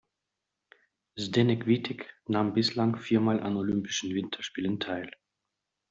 Zdeněk Vítek nahm bislang viermal an Olympischen Winterspielen teil.